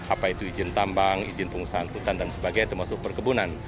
apa itu izin tambang izin pengusaha angkutan dan sebagainya termasuk perkebunan